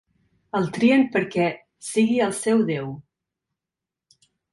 El trien perquè sigui el seu déu.